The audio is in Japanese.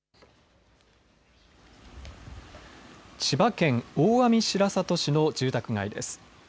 千葉県大網白里市の住宅街です。